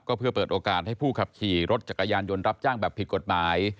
ก็เพื่อเปิดโอกาสให้ผู้ขับขี่รถจักรยานยนต์รับจ้างแบบผิดกฎหมาย